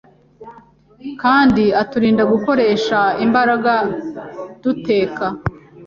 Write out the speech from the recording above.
kandi aturinda gukoresha imbaraga duteka